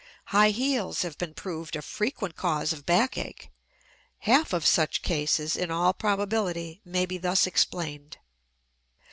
High heels have been proved a frequent cause of back ache; half of such cases, in all probability, may be thus explained.